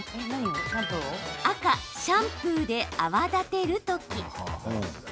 赤・シャンプーで泡立てるとき。